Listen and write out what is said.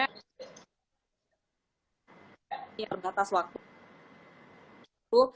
ya terbatas waktu